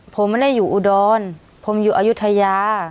ผมไม่ได้อยู่อุดรผมอยู่อายุทยา